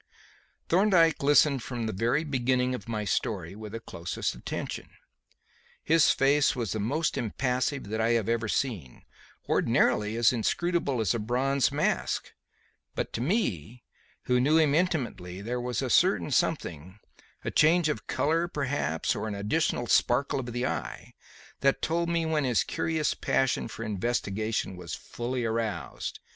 Thorndyke listened from the very beginning of my story with the closest attention. His face was the most impassive that I have ever seen; ordinarily as inscrutable as a bronze mask; but to me, who knew him intimately, there was a certain something a change of colour, perhaps, or an additional sparkle of the eye that told me when his curious passion for investigation was fully aroused.